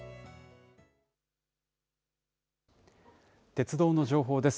鉄道の情報です。